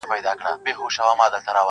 • نه به چاته له پنجابه وي د جنګ امر راغلی -